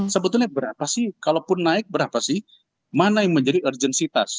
sebetulnya berapa sih kalaupun naik berapa sih mana yang menjadi urgensitas